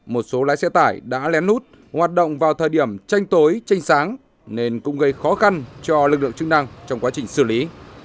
một số lái xe tải đã lén lút hoạt động vào thời điểm tranh tối tranh sáng nên cũng gây khó khăn cho lực lượng chức năng trong quá trình xử lý